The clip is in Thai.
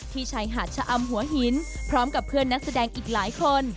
ชายหาดชะอำหัวหินพร้อมกับเพื่อนนักแสดงอีกหลายคน